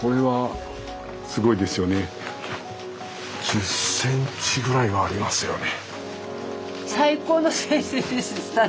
１０センチぐらいはありますよね。